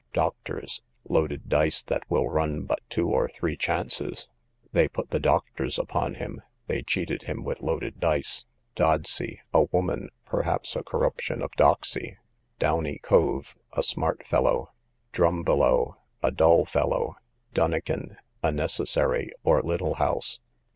Doctors, loaded dice that will run but two or three chances—they put the doctors upon him; they cheated him with loaded dice. Dodsey, a woman; perhaps a corruption of Doxey. Downy cove, a smart fellow. Drumbelow, a dull fellow. Dunnikin, a necessary, or little house.